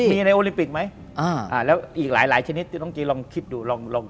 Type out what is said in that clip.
มีในโอลิปปิกถูกหลายชนิดน้องเจลองคิดดู